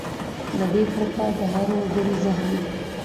له دې پرته د هر وګړي زهني .